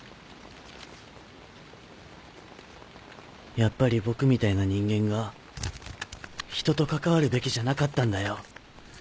やっぱり僕みたいな人間がひとと関わるべきじゃなかったんだよ。